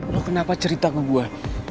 lo kenapa cerita ke gua